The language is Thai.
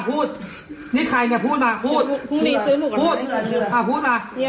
พูดนี่ใครเนี่ยพูดมาพูดพูดมาพูดมานี่ใครคุณเป็น